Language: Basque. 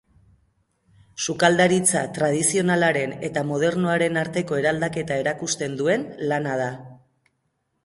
Sukaldaritza tradizionalaren eta modernoaren arteko eraldaketa erakusten duen lana da.